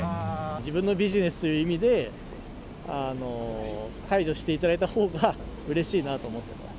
自分のビジネスという意味で、解除していただいたほうがうれしいなと思ってます。